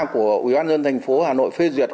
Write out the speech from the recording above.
của ủy ban nhân dân thành phố hà nội phê duyệt